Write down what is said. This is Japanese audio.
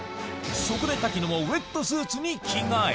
そこで瀧野もウエットスーツに着替え！